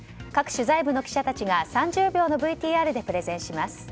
各取材部の記者たちが３０秒のＶＴＲでプレゼンします。